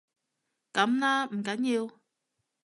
噉啦，唔緊要